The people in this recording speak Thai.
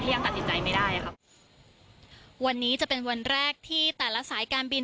ยังตัดสินใจไม่ได้ครับวันนี้จะเป็นวันแรกที่แต่ละสายการบิน